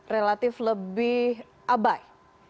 relatif lebih abai